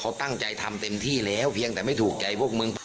เขาตั้งใจทำเต็มที่แล้วเพียงแต่ไม่ถูกใจพวกมึง